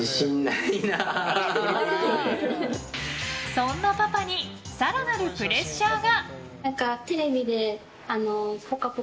そんなパパに更なるプレッシャーが。